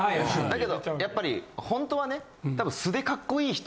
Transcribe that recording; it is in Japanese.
だけどやっぱりほんとはね。